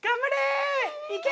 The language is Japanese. いけ！